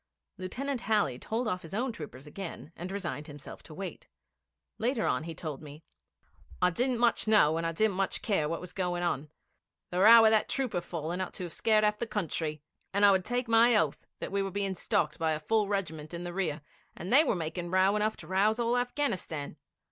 Lieutenant Halley told off his own troopers again and resigned himself to wait. Later on he told me: 'I didn't much know, and I didn't much care what was going on. The row of that trooper falling ought to have scared half the country, and I would take my oath that we were being stalked by a full regiment in the rear, and they were making row enough to rouse all Afghanistan.